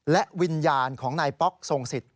และวิญญาณของนายป๊อกทรงสิทธ